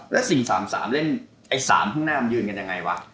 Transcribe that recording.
แล้ว๔๓๓เล่นไอ้๓ข้างหน้ามันยืนกันยังไงวะ